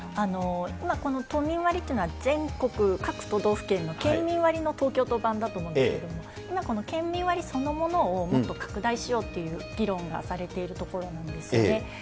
この都民割っていうのは、全国各都道府県の県民割の東京都版だと思うんですけれども、今、この県民割そのものをもっと拡大しようっていう議論がされているところなんですよね。